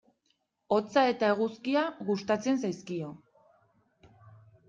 Hotza eta eguzkia gustatzen zaizkio.